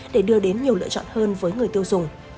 để đưa đến nhiều lựa chọn hơn với người tiêu dùng